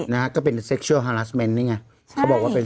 นะฮะก็เป็นนี่ไงเขาบอกว่าเป็น